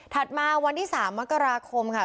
มาวันที่๓มกราคมค่ะ